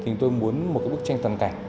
thì tôi muốn một bức tranh tầm cảnh